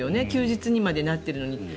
休日にまでなっているのに。